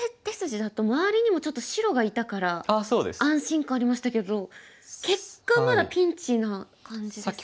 手筋だと周りにもちょっと白がいたから安心感ありましたけど結果まだピンチな感じですね。